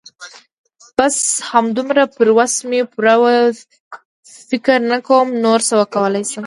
بس همدومره مې پر وس پوره وه. فکر نه کوم نور څه وکولای شم.